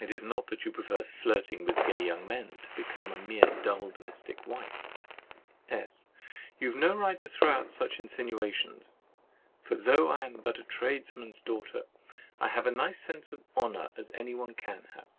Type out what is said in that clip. It is not that you prefer flirting with "gay young men" to becoming a mere dull domestic wife? S. You have no right to throw out such insinuations: for though I am but a tradesman's daughter, I have as nice a sense of honour as anyone can have.